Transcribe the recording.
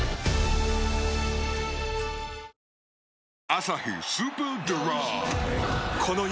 「アサヒスーパードライ」